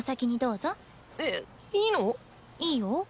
いいよ。